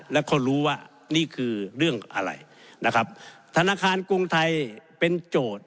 แล้วก็รู้ว่านี่คือเรื่องอะไรนะครับธนาคารกรุงไทยเป็นโจทย์